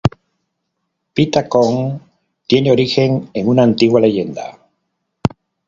Phi Ta Khon tiene origen en una antigua leyenda.